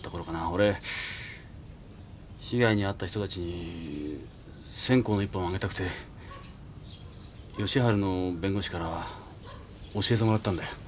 俺被害に遭った人たちに線香の１本をあげたくて吉春の弁護士から教えてもらったんだよ。